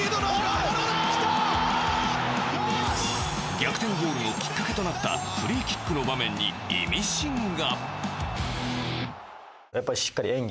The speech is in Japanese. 逆転ゴールのきっかけとなったフリーキックの場面にイミシンが。